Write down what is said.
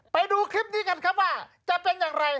ไปดูคลิปนี้กันครับว่าจะเป็นอย่างไร